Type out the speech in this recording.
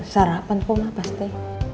sarapan pun lah pasti